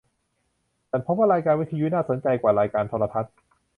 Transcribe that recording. ฉันพบว่ารายการวิทยุน่าสนใจว่ารายการโทรทัศน์